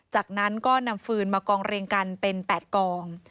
จากนั้นก็นำฟืนมากองเรียงกันเป็น๘กอง